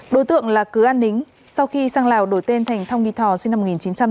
đối tượng là cứ an nính sau khi sang lào đổi tên thành thong nghị thò sinh năm một nghìn chín trăm tám mươi